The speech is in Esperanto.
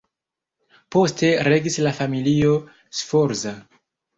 Poste regis la familio Sforza.